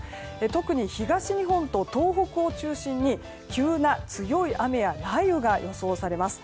特に東日本と東北を中心に急な強い雨や雷雨が予想されます。